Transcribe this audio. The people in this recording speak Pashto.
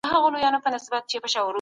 ته دي ټپه په اله زار پيل کړه